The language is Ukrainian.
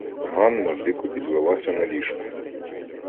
Ганна дико підвелася на ліжку.